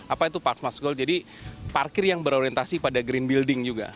apa itu part mas gold jadi parkir yang berorientasi pada green building juga